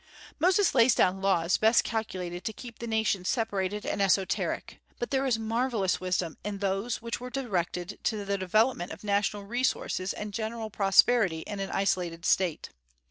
Moses lays down laws best calculated to keep the nation separated and esoteric; but there is marvellous wisdom in those which were directed to the development of national resources and general prosperity in an isolated state.